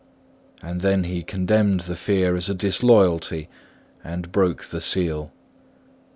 And then he condemned the fear as a disloyalty, and broke the seal.